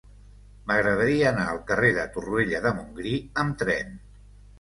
M'agradaria anar al carrer de Torroella de Montgrí amb tren.